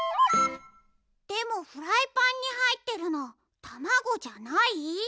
でもフライパンにはいってるのたまごじゃない？